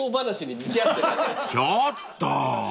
［ちょっと］